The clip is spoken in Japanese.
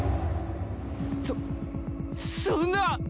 そそんな。